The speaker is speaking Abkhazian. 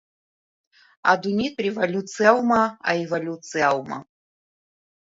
Адунеитә револиуциа аума, аеволиуциа аума…